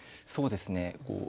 そうですね